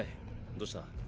どうした？